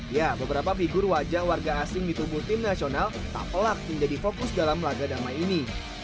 ya beberapa figur wajah warga asing di tubuh tim nasional tak pelak menjadi fokus dalam laga damai ini